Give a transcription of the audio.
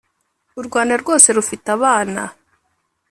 u rwanda rwose rufite abana